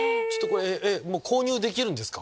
もう購入できるんですか？